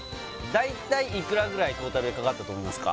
大体いくらぐらいトータルでかかったと思いますか？